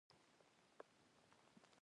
هغه د سولې او ورورولۍ سندره ویله.